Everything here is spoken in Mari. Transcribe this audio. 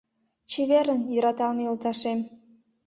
Чеверын, йӧраталме йолташем.